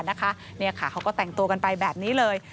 นี่ค่ะเขาก็แต่งตัวกันไปแบบนี้เลย